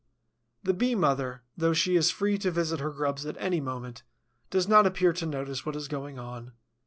The Bee mother, though she is free to visit her grubs at any moment, does not appear to notice what is going on.